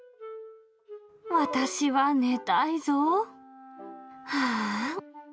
私は寝たいぞう。